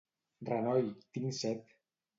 Renoi, tinc set.